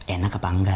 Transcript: enak apa engga